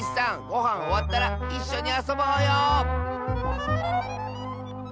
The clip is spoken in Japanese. ごはんおわったらいっしょにあそぼうよ！